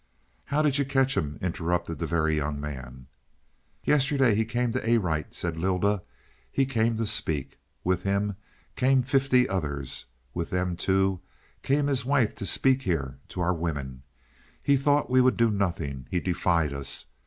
"How did you catch him?" interrupted the Very Young Man. "Yesterday he came to Arite," said Lylda. "He came to speak. With him came fifty others. With them too came his wife to speak here, to our women. He thought we would do nothing; he defied us.